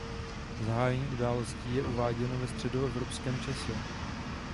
Zahájení událostí je uváděno ve Středoevropském čase.